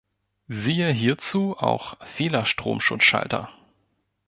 Siehe hierzu auch Fehlerstromschutzschalter.